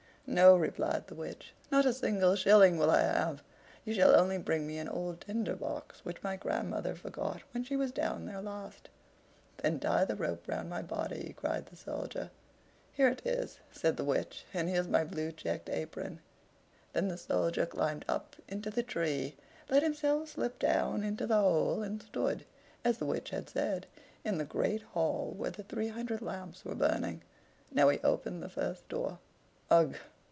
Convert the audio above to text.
"No," replied the Witch, "not a single shilling will I have. You shall only bring me an old Tinder box which my grandmother forgot when she was down there last." "Then tie the rope round my body," cried the Soldier. "Here it is," said the Witch, "and here's my blue checked apron." Then the Soldier climbed up into the tree, let himself slip down into the hole, and stood, as the Witch had said, in the great hall where the three hundred lamps were burning. Now he opened the first door. Ugh!